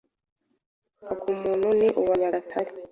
Akumuntu ni uwa Nyagatuntu.